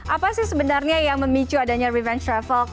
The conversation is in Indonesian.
apa sih sebenarnya yang memicu adanya revenge travel